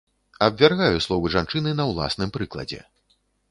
Абвяргаю словы жанчыны на ўласным прыкладзе.